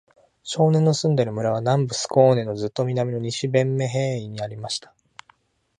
少年の住んでいる村は、南部スコーネのずっと南の、西ヴェンメンヘーイにありました。